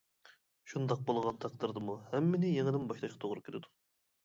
شۇنداق بولغان تەقدىردىمۇ ھەممىنى يېڭىدىن باشلاشقا توغرا كېلىدۇ.